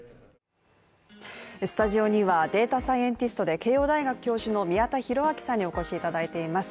スタジオにはデータサイエンティストで慶応大学教授の宮田裕章さんにお越しいただいています